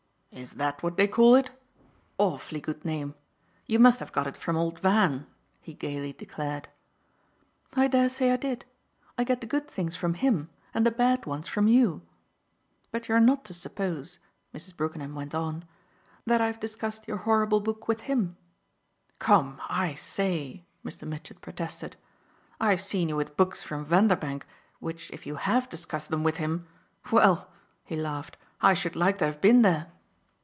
"Is that what they call it? Awfully good name. You must have got it from old Van!" he gaily declared. "I dare say I did. I get the good things from him and the bad ones from you. But you're not to suppose," Mrs. Brookenham went on, "that I've discussed your horrible book with him." "Come, I say!" Mr. Mitchett protested; "I've seen you with books from Vanderbank which if you HAVE discussed them with him well," he laughed, "I should like to have been there!"